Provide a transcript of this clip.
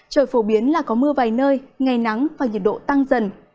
trời phổ biến là có mưa vài nơi ngày nắng và nhiệt độ tăng dần